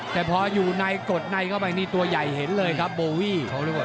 แต่พออยู่ใยกดในเข้าไปตัวใหญ่เห็นเลยครับโบวี่